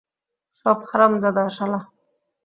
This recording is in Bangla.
সব হারামজাদা শালা!